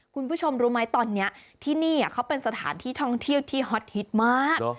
คุณผู้ชมรู้ไหมตอนนี้ที่นี่เขาเป็นสถานที่ท่องเที่ยวที่ฮอตฮิตมาก